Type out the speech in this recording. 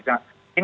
ingat loh adil